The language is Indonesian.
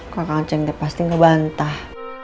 kang acing te pasti ngebantah